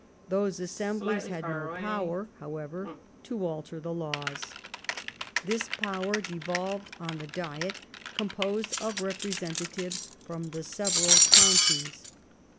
Those asseml)lies had no power, however, to alter the laws. This power devolved on the Diet, composed of representa tives from the several counties.